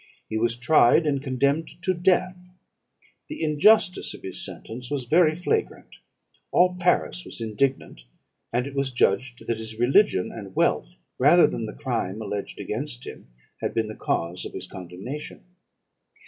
He was tried, and condemned to death. The injustice of his sentence was very flagrant; all Paris was indignant; and it was judged that his religion and wealth, rather than the crime alleged against him, had been the cause of his condemnation.